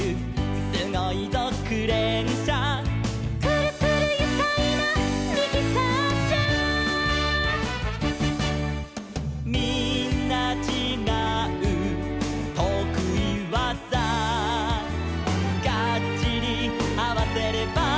「すごいぞクレーンしゃ」「くるくるゆかいなミキサーしゃ」「みんなちがうとくいわざ」「ガッチリあわせれば」